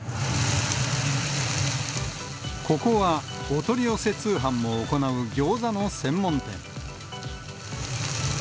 ここは、お取り寄せ通販も行うギョーザの専門店。